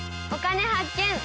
「お金発見」。